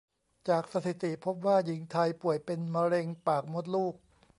จากสถิติพบว่าหญิงไทยป่วยเป็นมะเร็งปากมดลูก